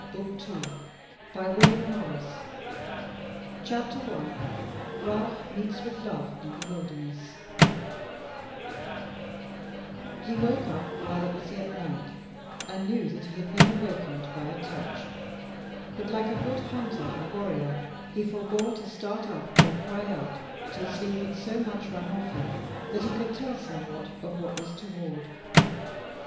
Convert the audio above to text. BOOK TWO The Road Unto Trouble CHAPTER 1 Ralph Meets With Love in the Wilderness He woke up while it was yet night, and knew that he had been awakened by a touch; but, like a good hunter and warrior, he forebore to start up or cry out till sleep had so much run off him that he could tell somewhat of what was toward.